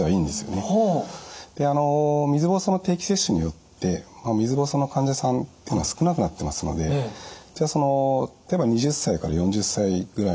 で水ぼうそうの定期接種によって水ぼうそうの患者さんっていうのは少なくなってますので例えば２０歳から４０歳ぐらいの子育て世代ですね。